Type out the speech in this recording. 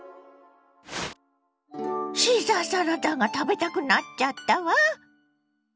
シーザーサラダが食べたくなっちゃったわ。